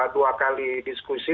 dua kali diskusi